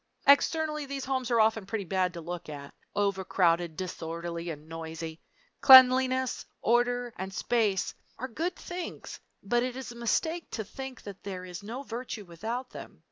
Externally, these homes are often pretty bad to look at overcrowded, disorderly, and noisy. Cleanliness, order, and space are good things, but it is a mistake to think that there is no virtue without them.